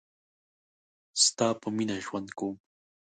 ستا په میینه ژوند کوم